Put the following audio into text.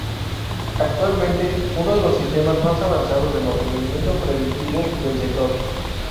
Actualmente uno de los sistemas más avanzados de mantenimiento predictivo del sector.